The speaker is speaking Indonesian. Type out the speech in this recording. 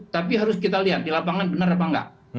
tapi harus kita lihat di lapangan benar apa enggak